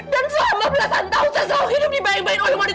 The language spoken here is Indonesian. dan selama belasan tahun saya selalu hidup dibayang bayang oleh wanita lain